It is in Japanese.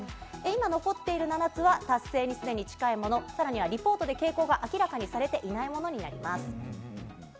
今残っている７つは、達成にすでに近いもの、さらにはリポートで傾向が明らかにされていないものになります。